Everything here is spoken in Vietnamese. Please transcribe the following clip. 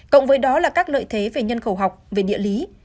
cộng với đó là các lợi thế về nhân khẩu học về địa lý